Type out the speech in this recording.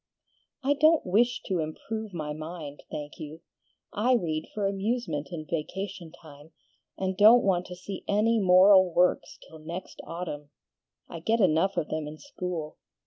"I don't WISH to improve my mind, thank you: I read for amusement in vacation time, and don't want to see any moral works till next autumn. I get enough of them in school.